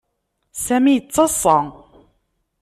Sami yettaḍsa.